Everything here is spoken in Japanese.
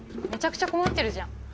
めちゃくちゃ困ってるじゃん。